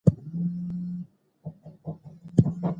افغانستان د جلګه له پلوه متنوع دی.